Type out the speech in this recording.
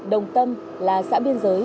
đồng tâm là xã biên giới